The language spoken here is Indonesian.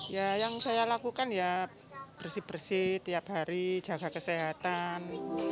ya yang saya lakukan ya bersih bersih tiap hari jaga kesehatan